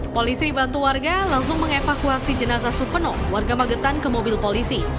polisi dibantu warga langsung mengevakuasi jenazah supeno warga magetan ke mobil polisi